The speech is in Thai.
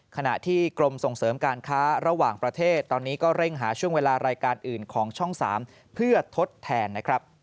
ขณะที่กรมส่งเสริมการค้าระหว่างประเทศตอนนี้ก็เร่งหาช่วงเวลารายการอื่นของช่อง๓เพื่อทดแทนนะครับ